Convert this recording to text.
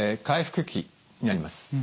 回復期になります。